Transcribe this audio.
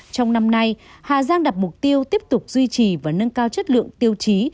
trong năm nay hà giang đặt mục tiêu tiếp tục duy trì và nâng cao chất lượng tiêu chí